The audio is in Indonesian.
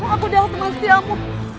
aku dah teman setiamu